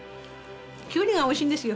きゅうりがおいしいんですよ。